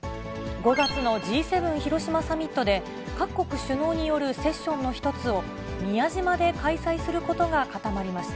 ５月のＧ７広島サミットで、各国首脳によるセッションの一つを、宮島で開催することが固まりました。